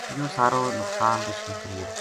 یوہ سارو نقصان رچھ نے کریو